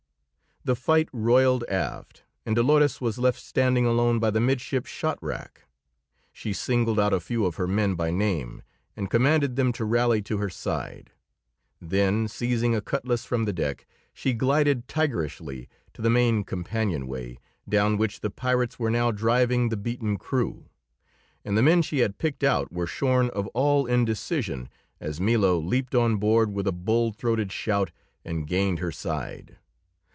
The fight rolled aft, and Dolores was left standing alone by the midship shot rack. She singled out a few of her men by name, and commanded them to rally to her side; then, seizing a cutlas from the deck, she glided tigerishly to the main companionway, down which the pirates were now driving the beaten crew, and the men she had picked out were shorn of all indecision as Milo leaped on board with a bull throated shout and gained her side.